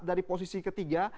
dari posisi ketiga